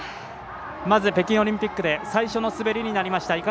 まず北京オリンピックで最初の滑りになりました。